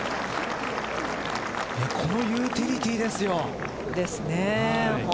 このユーティリティーですよ。ですね。